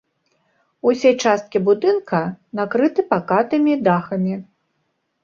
Усе часткі будынка накрыты пакатымі дахамі.